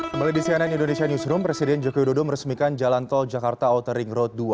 kembali di cnn indonesia newsroom presiden joko widodo meresmikan jalan tol jakarta outering road dua